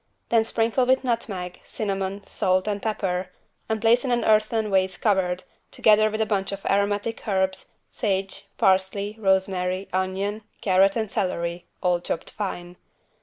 Then sprinkle with nutmeg, cinnamon, salt, and pepper, and place in an earthen vase covered, together with a bunch of aromatic herbs, sage, parsley, rosemary, onion, carrot and celery, all chopped fine.